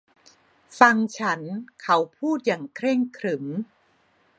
ฟังฉันเขาพูดอย่างเคร่งขรึม